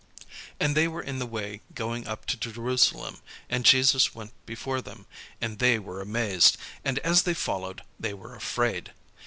And they were in the way going up to Jerusalem; and Jesus went before them: and they were amazed; and as they followed, they were afraid.